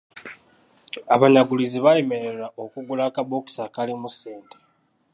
Abanyaguluzi baalemererwa okuggula akabokisi akaalimu ssente.